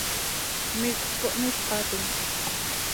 Micös cohnípatim.